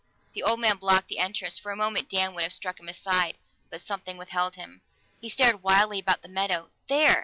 The old man blocked the entrance; for a moment Dan would have struck him aside, but something withheld him. He stared wildly about the meadow there!